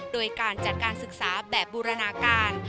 โดยการจัดการศึกษาแบบบูรณาการ